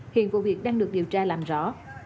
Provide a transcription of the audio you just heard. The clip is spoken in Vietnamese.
hiện vụ việc đang được điều tra làm rõ